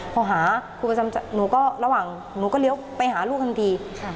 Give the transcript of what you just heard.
พอหาหนูก็เลี้ยวไปหาลูกทั้งที